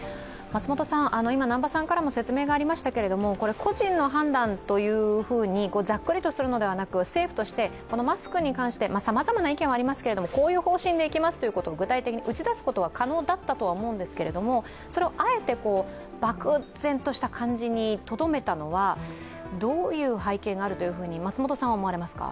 個人の判断というふうにざっくりとするのではなく政府としてマスクに関してさまざまな意見はありますが、こういう方針でいきますということを具体的に打ち出すことは可能だったと思うんですが、それをあえて漠然とした感じにとどめたのはどういう背景があると松本さんは思われますか。